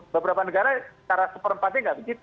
beberapa negara secara seperempatnya tidak begitu